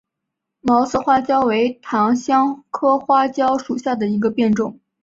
毛刺花椒为芸香科花椒属下的一个变种。